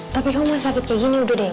tapi kamu masih sakit kayak gini udah deh